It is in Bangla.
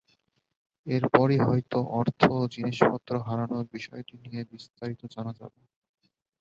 এরপরই হয়তো অর্থ ও জিনিসপত্র হারানোর বিষয়টি নিয়ে বিস্তারিত জানা যাবে।